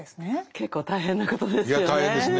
結構大変なことですよね。